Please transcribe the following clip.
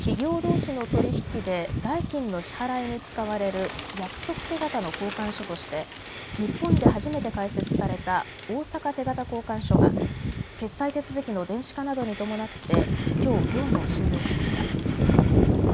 企業どうしの取り引きで代金の支払いに使われる約束手形の交換所として日本で初めて開設された大阪手形交換所が決済手続きの電子化などに伴ってきょう業務を終了しました。